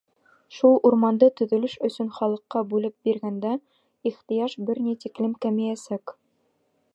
Шул урманды төҙөлөш өсөн халыҡҡа бүлеп биргәндә, ихтыяж бер ни тиклем кәмейәсәк.